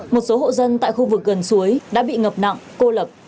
một số hộ dân tại khu vực gần suối đã bị ngập nặng cô lập